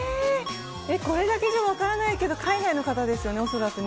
これだけじゃ分からないけど、海外の方ですよね、恐らくね。